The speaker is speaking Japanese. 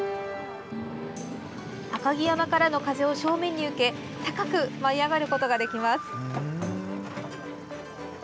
赤城山からの風を正面に受け高く舞い上がることができます。